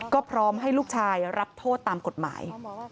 ก็พร้อมให้ลูกชายรับโทษตามกฎหมาย